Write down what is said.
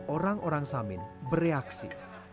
orang orang samin bereaksi